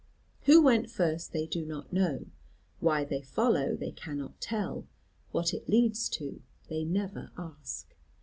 Who went first they do not know, why they follow they cannot tell, what it leads to they never ask.